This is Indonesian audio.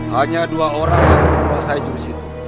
hanya dua orang yang menguasai jurus itu